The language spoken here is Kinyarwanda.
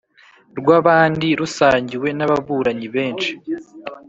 Rw abandi rusangiwe n ababuranyi benshi